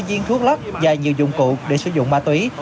hai viên thuốc lắp và nhiều dụng cụ để sử dụng ma túy